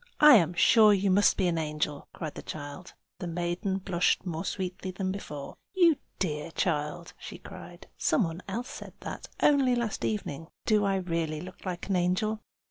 "I am sure you must be an angel!" cried the child. The maiden blushed more sweetly than before. "You dear little child!" she cried. "Some one else said that, only last evening. Do I really look like an angel?"